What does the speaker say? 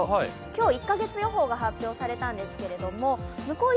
今日１カ月予報が発表されたんですけれども、向こう